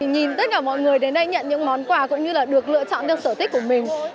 nhìn tất cả mọi người đến đây nhận những món quà cũng như là được lựa chọn được sở thích của mình